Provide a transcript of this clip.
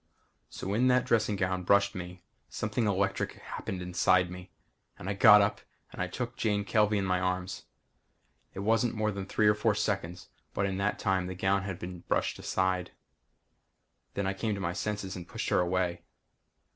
So when that dressing gown brushed me, something electric happened inside and I got up and took Jane Kelvey in my arms. It wasn't more than three or four seconds but in that time the gown had been brushed aside. Then I came to my senses and pushed her away.